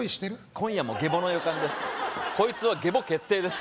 今夜もゲボの予感です